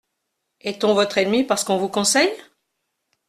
Est-on votre ennemi parce qu’on vous conseille ?